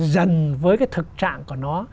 dần với cái thực trạng của nó